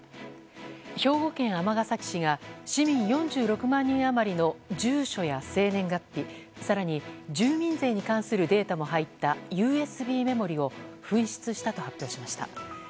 兵庫県尼崎市が市民４６万人余りの住所や生年月日、更に住民税に関するデータも入ったＵＳＢメモリーを紛失したと発表しました。